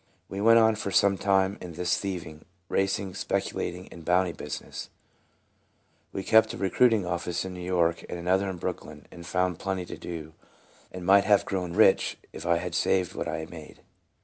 We went on for some time in this thieving, racing, spec ulating, and bounty business. We kept a OUTSIDE. 39 recruiting office in New York, and another in Brooklyn, and found plenty to do, and might have grown rich if I had saved what I made.